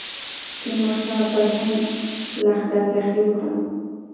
تیمورشاه پر هند لښکرکښي وکړه.